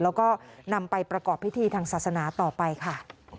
แล้วก็นำไปประกอบพิธีทางศาสนาต่อไปค่ะ